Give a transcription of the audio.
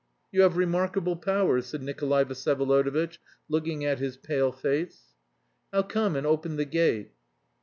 "You have remarkable powers," said Nikolay Vsyevolodovitch, looking at his pale face. "I'll come and open the gate."